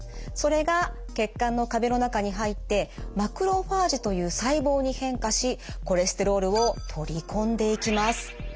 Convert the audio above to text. それが血管の壁の中に入ってマクロファージという細胞に変化しコレステロールを取り込んでいきます。